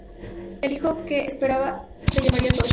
El hijo que esperaba se llamaría Toshio.